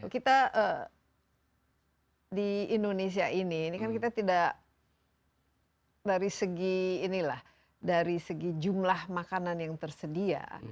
kita di indonesia ini kan kita tidak dari segi jumlah makanan yang tersedia